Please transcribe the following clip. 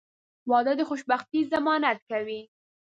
• واده د خوشبختۍ ضمانت کوي.